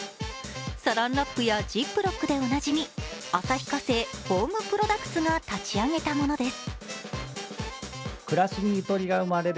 サランラップやジップロックでおなじみ、旭化成ホームプロダクツが立ち上げたものです。